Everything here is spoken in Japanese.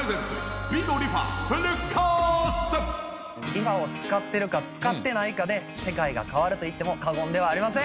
リファを使ってるか使ってないかで世界が変わると言っても過言ではありません。